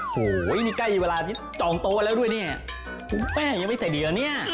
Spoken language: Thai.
โหยมีใกล้เวลาต้องโตบางแล้วยังไม่ได้กว่านะเนี้ย